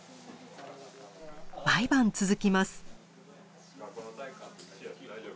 毎晩続きます。